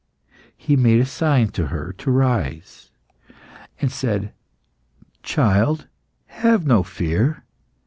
He made a sign to her to rise, and said "Child, have no fear.